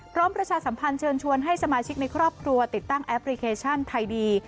ประชาสัมพันธ์เชิญชวนให้สมาชิกในครอบครัวติดตั้งแอปพลิเคชันไทยดี